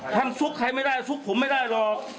ซุกใครไม่ได้ซุกผมไม่ได้หรอก